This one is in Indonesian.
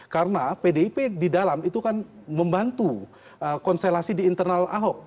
karena pdip di dalam itu kan membantu konselasi di internal ahok